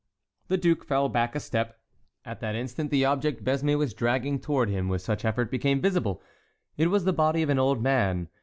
The duke fell back a step. At that instant the object Besme was dragging toward him with such effort became visible. It was the body of an old man.